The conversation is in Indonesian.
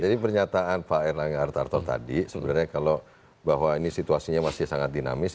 jadi pernyataan pak erlangga artarto tadi sebenarnya kalau bahwa ini situasinya masih sangat dinamis